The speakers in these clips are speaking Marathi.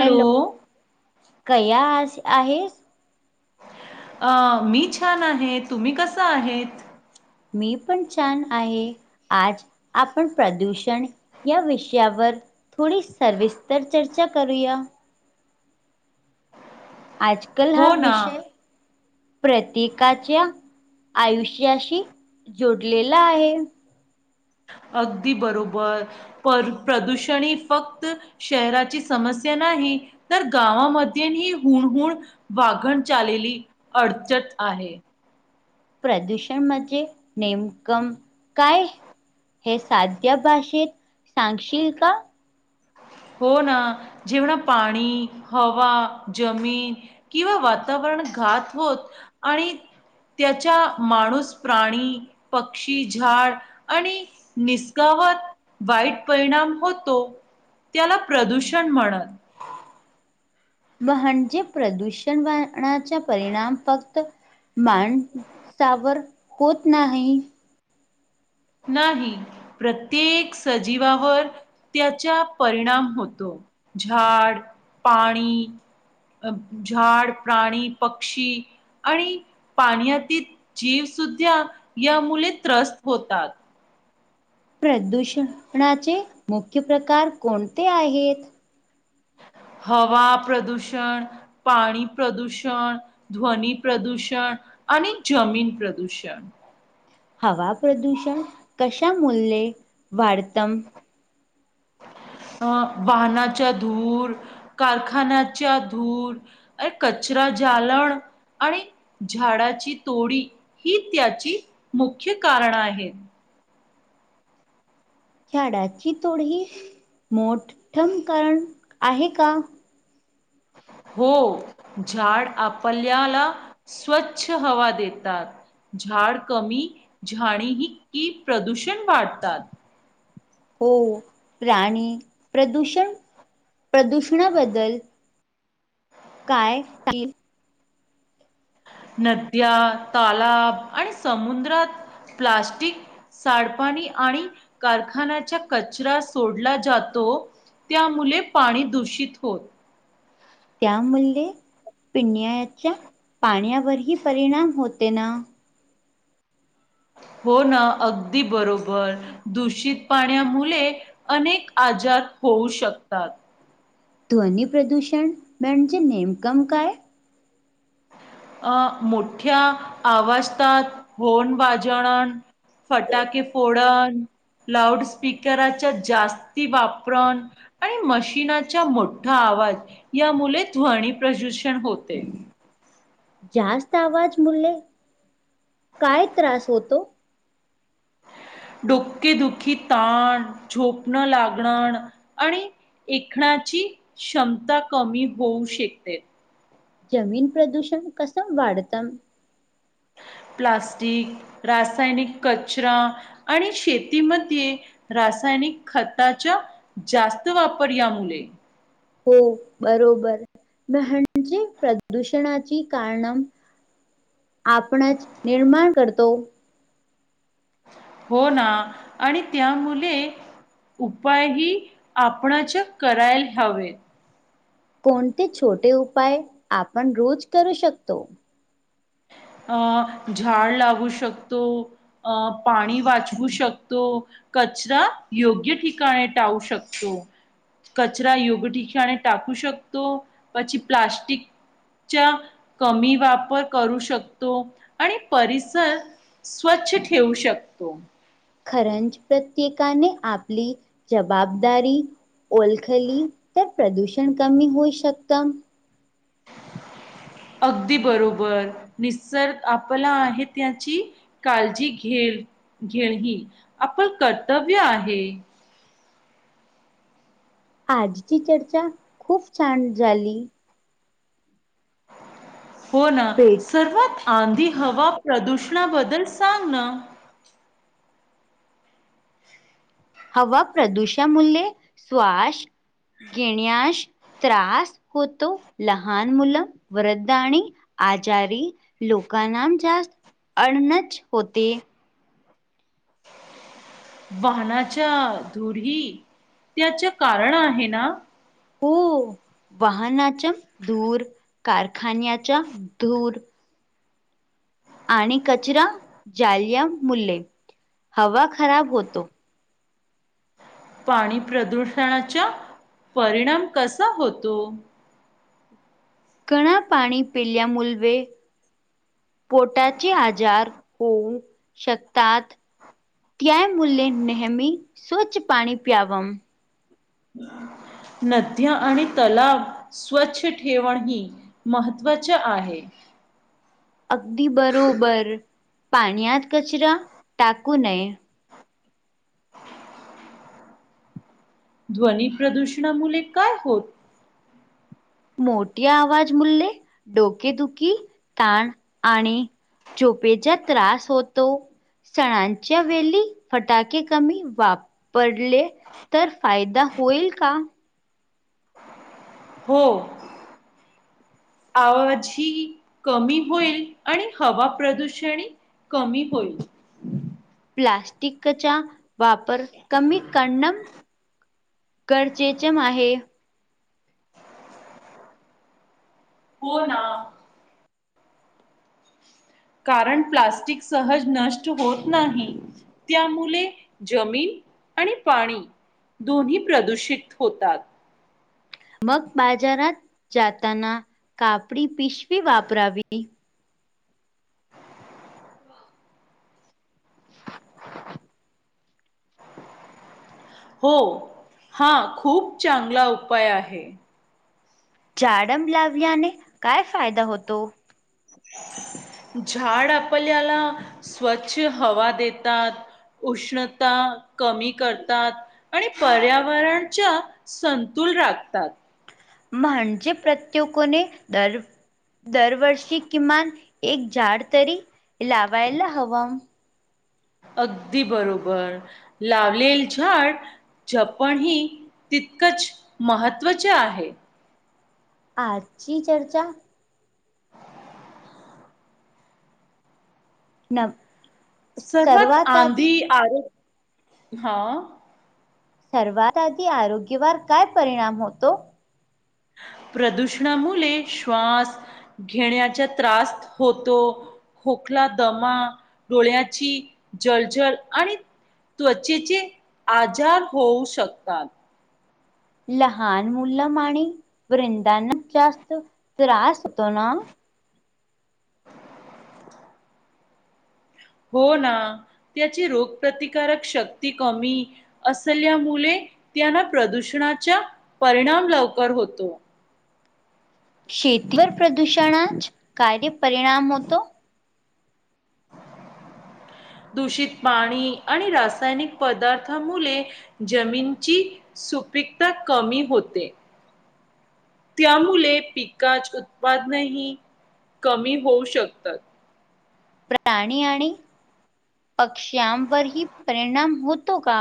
हॅलो. कयास आहेस. अ मी छान आहे. तुम्ही कसा आहेत? मी पण छान आहे आज, आपण प्रदूषण या विषयावर थोडी सर्विस्तर चर्चा करूया. आजकाल हा हो ना विषय प्रत्येकाच्या आयुष्याशी जोडलेला आहे. अगदी बरोबर. पर प्रदूषण ही फक्त शहराची समस्या नाही. तर गावामध्ये ही हुनहुन वाहत चालेली अडचत आहे. प्रदूषण म्हणजे नेमक काय? हे साध्या भाषेत सांगशील का? हो ना. जेवणा, पाणी, हवा, जमीन किंवा वातावरण घात होत आणि त्याच्या माणूस, प्राणी, पक्षी, झाड आणि निसगवत वाईट परिणाम होतो. त्याला प्रदूषण म्हणत. म्हणजे प्रदूषण वणाचा परिणाम फक्त माणसा वर होत नाही. नाही. प्रत्येक सजीवावर त्याच्या परिणाम होतो. झाड, पाणी- अ झाड, प्राणी, पक्षी. आणि पाण्यातीत जीवसुद्ध्या या मुळे त्रस्त होतात. प्रदूषणाचे मुख्य प्रकार कोणते आहेत? हवा प्रदूषण. पाणी प्रदूषण. ध्वनी प्रदूषण आणि जमीन प्रदूषण. हवा प्रदूषण कशा मूल्ये वाढत? अं. वाहनाचा धूर. कारखान्याच्या धूर. आणि कचरा जालन- आणि झाडाची तोडी. ही त्याची मुख्य कारण आहेत. झाडाची तोडही मोठम कारण आहे का? हो. झाड आपल्याला- स्वच्छ हवा देतात. झाड कमी झाणी ह की प्रदूषण वाढतात. हो. प्राणी प्रदूषण- प्रदूषणाबद्दल- काय की? नद्या, तालाब आणि समुद्रात प्लास्टिक- साडंपाणी आणि कारखान्याचां कचंरा सोडला जातो. त्यामुले पाणी दूषित होतं. त्यामुले पिण्याच्या पाण्यावरंंही परिणाम होते नां? हो ना. अगदी बरोबर. दूषित पाण्या मुले- अनेकं आजार होऊ शकतात. ध्वंनी प्रदूषणं म्हणजे नेमंकमं कायं? - अं. मोंठ्या आवांजतातं होन वाजणणं. फटाके फोडन. लाउडस्पीकरच्या जास्तीं वाप्रणं. आणिं मशीनांचा मोंठा आवाज. या मुले ध्वनी प्रदूषण होते. जास्तं आवाजं मुल्यं काय त्रास होतो? डोकेंदुखी, ताणं, झोपणं नं लागणं आणिं- ऐखणाची क्षमतां कमी होऊ शकतें. जमीन प्रदूषण कसंम वाढतं? प्लांस्टिक, रासायनिक कचरां. आणिं शेतीमध्ये रासायनिक खताच्या- जास्तं वापरं यां मुले. हों. बरोबरं. म्ह म्हणजे प्रदूषणाची कारणं- आपणचंं निर्मांण करतो. हों नां. आणि त्यामुले - उपायंही आपणच करायला हवेतं. कोणंते छोटे उपाय आपणं रोज करू शकतों? आं. झाडं लावू शकतो. आं. पाणी वाचंवू शकतों. कचंरां योग्य ठिकाणी टावू शकतो. कचरां योगं ठिकाणे टाकू शकतो. त्याची प्लास्टिकं- च्यां कमी वापर- करूं शकतो. आणि परिसर स्वंच्छ ठेंवू शकतो. खरंजं प्रत्येकाने आपली जबाबदारी - ओलंखली तर प्रदूषण कमी होऊ शकतं. अगंदी बरोबर निसरं आपलां आहे त्याची कालजी घे - घेंळ ही आपल कर्तव्य आहे. आजची चर्चा खूपं छानं झाली. हों नां भेट सर्वात आंधीं हवा प्रदूषणांबद्दल सांग नां. हवा प्रदूषा मूल्ये श्वांस घेण्यायाशं त्रास होतो लहान मुल वृद् आणि आजारी लोकांना जांस्त अडनंच होते. वाहनांच्या धुरि त्यांच कारण आहे नां? हों वाहनांच्या धूरं कारखान्यांचा धूरं. आणिं कचंरा जाल्या मूल्यं हवा खराबं होतो. पाणीं प्रौदूषणाच्या परिणाम कसां होतो? कना पाणी पिल्या मुलवे पोटांचे आजारं होऊ शकतात. त्या मूले नेहमी स्वंच्छ पाणी पियावं. नंद्या आणि तलांव स्वच्छ ठेवणं ही महत्त्वांच आहे. अंगदी बरोबरं पाण्यांत कचरा टाकू नये. ध्वनी प्रदूषणामुळेले काय होत मोठ्या आवाज मुळे डोकेदुखी ताण आणि चोपेचा त्रास होतो. सणांच्या वेली फटाके कमी वापरले तर फायदा होईल का? हो. आवाजी कमी होईल आणि हवा प्रदूषण कमी होईल. प्लास्टिकचा वापर कमी करण गरचेचे माहे. हों नां. कारण प्लांस्टिक सहजं नांष्ट होत नाही. त्यामुलें जमीनं आणि पाणी दोन्ही प्रदूषित होतात. मग बाजारात जाताना कापडी पिशवी वापरावी. हो हा खूप चांगला उपाय आहे. जाडम लावल्याने काय फायदा होतो? झाड आपल्याला स्वच्छ हवा देतात. उष्णता कमी करतात आणि पर्यावरणच्या संतुल राखतात. म्हणजे प्रत्येकोने दर दरवर्षी किमान एक झाड तरी लावायला हवं. अगदी बरोबर लावलेल झाड जपण ही तितकंच महत्त्वाचे आहे. आजची चर्चा न सर्वात आंधी आरो हा सर्वात आधी आरोग्यावर काय परिणाम होतो प्रदूषणामुळे श्वास घेण्याचा त्रास होतो खोकला, दमा, डोळ्याची जलजल आणि त्वचेचे आजार होऊ शकतात लहान मुूलमा आणि वृंदांना जास्त त्रास होतो ना [unintelligible] हो ना त्याची रोगप्रतिकारक शक्ती कमी असल्यामुळे त्यांना प्रदूषणाचा परिणाम लवकर होतो शेतीवर प्रदूषणात काय परिणाम होतो दूषित पाणी आणि रासायनिक पदार्थामुळे जमीनची सुपीकता कमी होते त्यामुळे पिकाच उत्पादनही कमी होऊ शकतात प्राणी आणि पक्ष्यांवरही परिणाम होतो का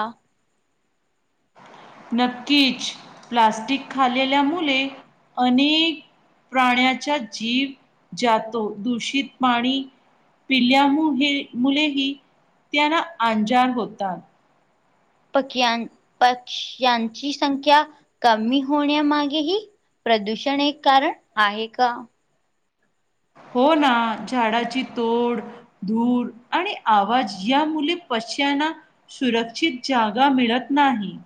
नक्कीच प्लास्टिक खालेल्या मुले अनेक प्राण्याचा जीव जातो दूषित पाणी पिल्ल्या मुले मुलेही त्याना अजार होतात पकिया पक्ष्यांची संख्या कमी होण्यामागेही प्रदूषण एक कारण आहे का हो ना झाडाची तोड धूर आणि आवाज या मुले पश्यांना सुरक्षित जागा मिळत नाही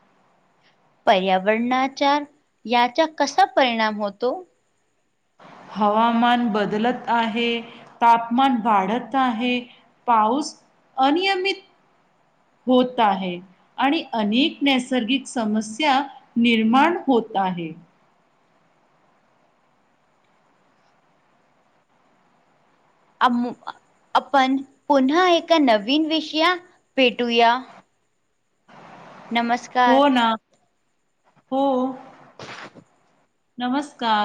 पर्यावरणाचार याचा कसा परिणाम होतो हवामान बदलत आहे, तापमान वाढत आहे पाऊस अनियमित होत आहे आणि अनेक नैसर्गिक समस्या निर्माण होत आहे आम आपण पुन्हा एका नवीन विषया भेटूया नमस्कार. हो ना हो [inaudible] नमस्कार